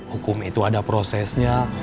hukum itu ada prosesnya